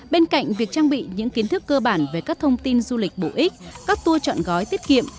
bên cạnh việc trang bị những kiến thức cơ bản về các thông tin du lịch bổ ích các tour chọn gói tiết kiệm